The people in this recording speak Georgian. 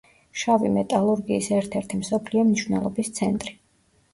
შავი მეტალურგიის ერთ-ერთი მსოფლიო მნიშვნელობის ცენტრი.